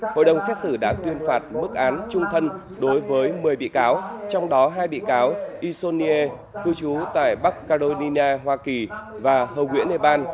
hội đồng xét xử đã tuyên phạt mức án trung thân đối với một mươi bị cáo trong đó hai bị cáo isonier cư trú tại bắc carolina hoa kỳ và hầu nguyễn ne ban